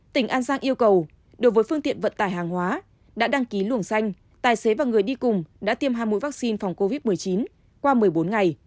tỉnh an giang yêu cầu đối với phương tiện vận tải hàng hóa đã đăng ký luồng xanh tài xế và người đi cùng đã tiêm hai mũi vaccine phòng covid một mươi chín qua một mươi bốn ngày